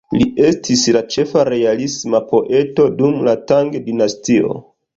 Li estis la ĉefa realisma poeto dum la Tang dinastio.